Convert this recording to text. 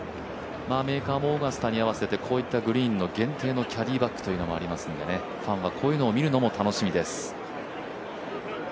メーカーもオーガスタに合わせた限定のキャリーバッグもありますのでファンはこういうのを見るのも楽しみです。